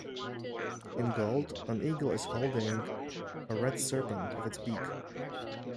In gold, an eagle is holding a red serpent with its beak.